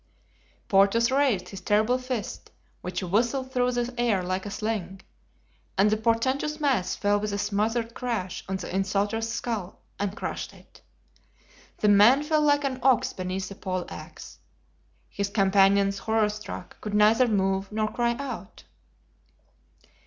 Porthos raised his terrible fist, which whistled through the air like a sling, and the portentous mass fell with a smothered crash on the insulter's skull and crushed it. The man fell like an ox beneath the poleaxe. His companions, horror struck, could neither move nor cry out.